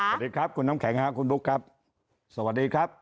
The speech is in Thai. สวัสดีครับคุณน้ำแข็งครับคุณบุ๊คครับสวัสดีครับ